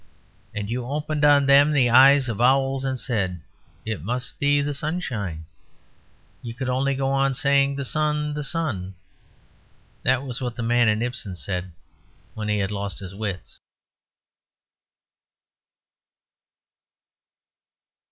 And you opened on them the eyes of owls, and said, "It must be the sunshine." You could only go on saying, "The sun, the sun." That was what the man in Ibsen said, when he had lost his wits.